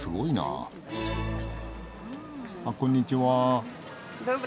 あっこんにちは。